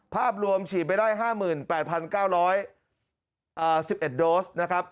ภาพรวมฉีดไปได้๕๘๙๑๑โดสนะครับ